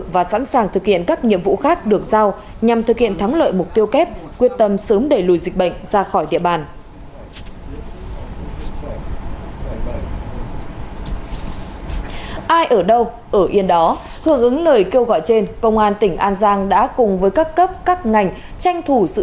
và sẵn sàng thực hiện các nhiệm vụ khác được giao nhằm thực hiện thắng lợi mục tiêu kép quyết tâm sớm đẩy lùi dịch bệnh ra khỏi địa bàn